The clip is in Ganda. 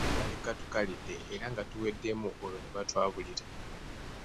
Baleka tukalidde era nga tuwedemu olwo ne batwabulira.